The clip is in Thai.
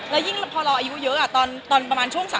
แล้วยิ่งพอเราอายุเยอะตอนประมาณช่วง๓๐